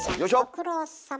ご苦労さま。